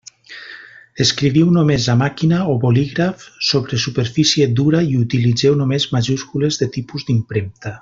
Escriviu només a màquina o bolígraf sobre superfície dura i utilitzeu només majúscules de tipus d'impremta.